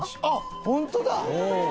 あっホントだ。